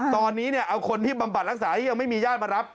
ตอนนี้เอาคนที่บำบัดรักษาที่ยังไม่มีญาติมารับ